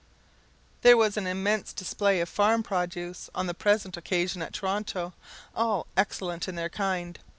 There was an immense display of farm produce on the present occasion at Toronto, all excellent in their kind.